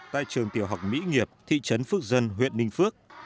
tại trường tiểu học mỹ nghiệp thị trấn phước dân huyện ninh phước